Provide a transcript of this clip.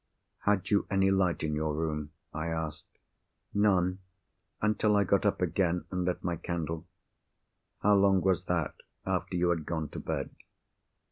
"Had you any light in your room?" I asked. "None—until I got up again, and lit my candle." "How long was that, after you had gone to bed?"